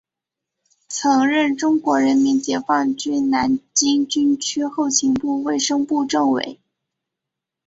曾任中国人民解放军南京军区后勤部卫生部政委。